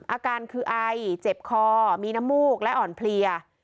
อาการคือไอเจ็บคอมีน้ำมูกและอ่อนเพลีย